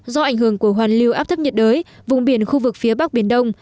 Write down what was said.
do ảnh hưởng của hoàn lưu áp thấp nhiệt đới vùng biển khu vực phía bắc biển đông